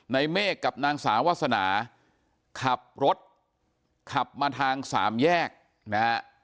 เมฆกับนางสาววาสนาขับรถขับมาทางสามแยกนะฮะ